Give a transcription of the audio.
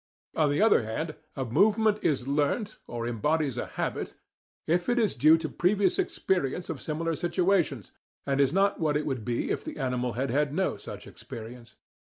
On the other hand, a movement is "learnt," or embodies a "habit," if it is due to previous experience of similar situations, and is not what it would be if the animal had had no such experience.